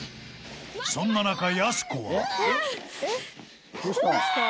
［そんな中やす子は］